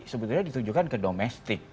sebetulnya ditujukan ke domestik